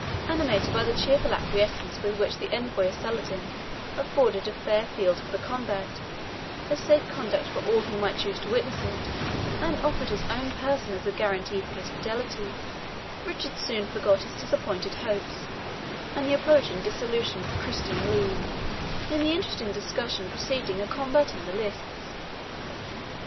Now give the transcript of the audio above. Animated by the cheerful acquiescence with which the envoy of Saladin afforded a fair field for the combat, a safe conduct for all who might choose to witness it, and offered his own person as a guarantee of his fidelity, Richard soon forgot his disappointed hopes, and the approaching dissolution of the Christian league, in the interesting discussions preceding a combat in the lists.